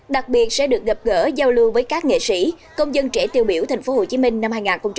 đặc biệt sẽ được gặp gỡ giao lưu với các nghệ sĩ công dân trẻ tiêu biểu tp hcm năm hai nghìn hai mươi